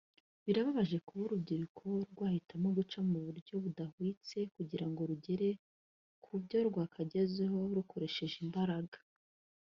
Birababaje kuba urubyiruko rwahitamo guca mu buryo budahwitse kugira ngo rugere ku byo rwakagezeho rukoresheje imbaraga